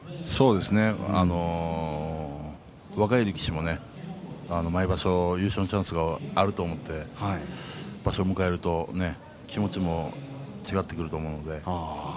若い力士も毎場所優勝のチャンスがあると思って場所を迎えると気持ちは違ってくると思います。